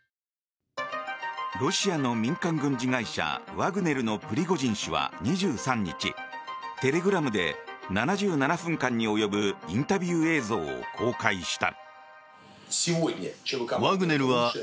ロシアの民間軍事会社ワグネルのプリゴジン氏は２３日テレグラムで７７分間に及ぶインタビュー映像を公開した。